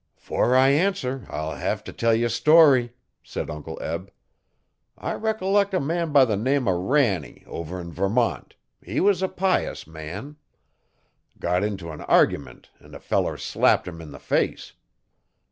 'Fore I answer I'll hev to tell ye a story,' said Uncle Eb. 'I recollec' a man by the name o' Ranney over 'n Vermont he was a pious man. Got into an argyment an' a feller slapped him in the face.